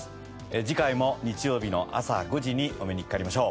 次回も日曜日の朝５時にお目にかかりましょう。